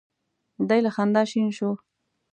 دی له خندا شین شو.